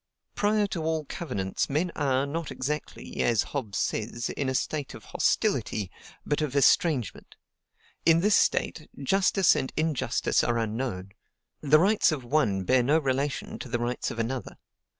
"Prior to all covenants, men are, not exactly, as Hobbes says, in a state of HOSTILITY, but of ESTRANGEMENT. In this state, justice and injustice are unknown; the rights of one bear no relation to the rights of another.